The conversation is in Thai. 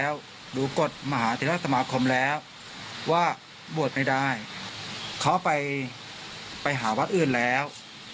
ว่าบวชไม่ได้เขาไปไปหาวัดอื่นแล้ว